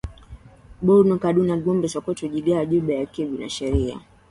Borno Kaduna Gombe Sokoto Jigawa Yobe na Kebbi za sharia